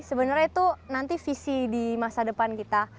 sebenarnya itu nanti visi di masa depan kita